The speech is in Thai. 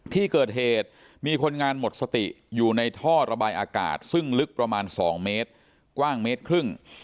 ที่เกิดเหตุมีคนงานหมดสติอยู่ในท่อระบายอากาศซึ่งลึกประมาณ๒เมตรกว้างเมตรครึ่ง